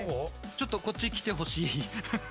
ちょっとこっち来てほしい。